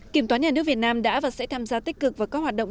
kiểm toán nhà nước việt nam đã và sẽ tham gia tích cực vào các hoạt động